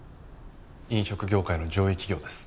飲食業界の上位企業です。